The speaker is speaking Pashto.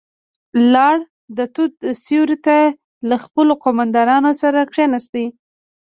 لاړ، د توت سيورې ته له خپلو قوماندانانو سره کېناست.